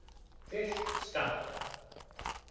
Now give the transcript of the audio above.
FISH SCALLOP. I.